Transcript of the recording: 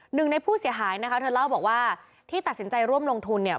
หนึ่งในผู้เสียหายนะคะเธอเล่าบอกว่าที่ตัดสินใจร่วมลงทุนเนี่ย